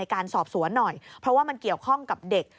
การสอบสวนหน่อยเพราะว่ามันเกี่ยวข้องกับเด็ก